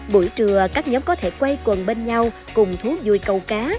buổi trưa các nhóm có thể quay quần bên nhau cùng thú vui câu cá